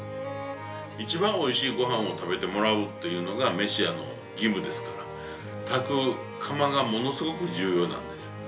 ◆一番おいしいごはんを食べてもらうというのが飯屋の義務ですから炊く釜が物すごく重要なんです。